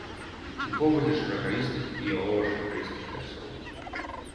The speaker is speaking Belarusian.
Тыповы для шыракалістых і ялова-шыракалістых лясоў.